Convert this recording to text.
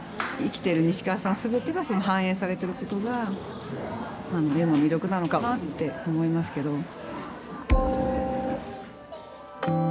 生きてる西川さん全てが反映されてることがあの絵の魅力なのかなって思いますけど。